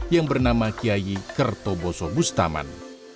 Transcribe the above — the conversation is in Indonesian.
yang bernama kiai kertoboso bustaman